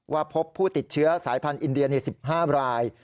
พบผู้ติดเชื้อสายพันธ์อินเดียใน๑๕ราย